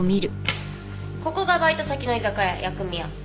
ここがバイト先の居酒屋やく味屋。